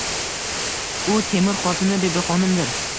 Bu Temur xotini Bibixonimdir